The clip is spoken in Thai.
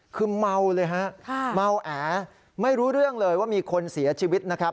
คือเมาเลยฮะเมาแอไม่รู้เรื่องเลยว่ามีคนเสียชีวิตนะครับ